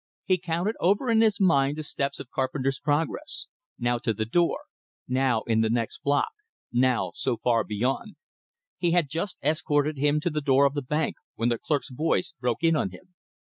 He counted over in his mind the steps of Carpenter's progress; now to the door, now in the next block, now so far beyond. He had just escorted him to the door of the bank, when the clerk's voice broke in on him.